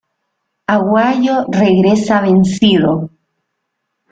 Aguayo regresa vencido.